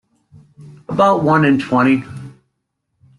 About one in twenty.